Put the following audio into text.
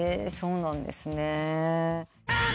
そうなんですね。